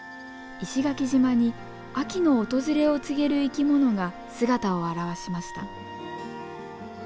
石垣島に秋の訪れを告げる生き物が姿を現しました。